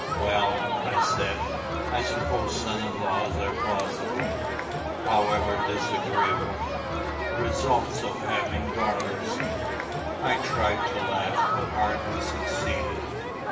"Well," I said, "I suppose sons in law are possible, however disagreeable, results of having daughters." I tried to laugh, but hardly succeeded.